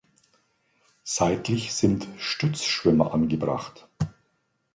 Seitlich sind Stützschwimmer angebracht.